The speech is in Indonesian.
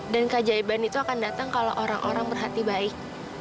dan keajaiban itu akan datang kalau orang orang berhati baik